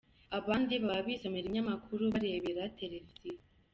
Abandi baba bisomera ibinyamakuru, barebera televiziyo.